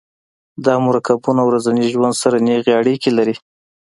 دا مرکبونه ورځني ژوند سره نیغې اړیکې لري.